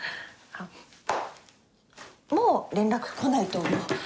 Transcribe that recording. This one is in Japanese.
あっもう連絡来ないと思う。